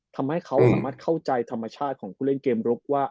ทำให้เขาสามารถเข้าใจธรรมชาติของผู้เล่นเกมรุกว่า